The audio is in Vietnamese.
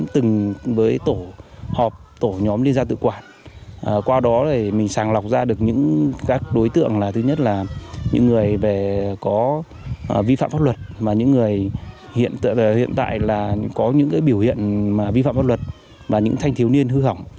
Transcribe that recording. từng với tổ họp tổ nhóm liên gia tự quản qua đó mình sàng lọc ra được những các đối tượng là thứ nhất là những người có vi phạm pháp luật và những người hiện tại là có những cái biểu hiện vi phạm pháp luật và những thanh thiếu niên hư hỏng